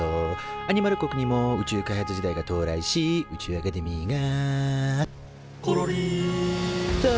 アニマル国にも宇宙開発時代が到来し宇宙アカデミーが「ころりーん」と誕生。